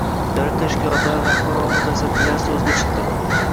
davlat tashkilotlari rahbar va mutasaddilari so‘zga chiqdi.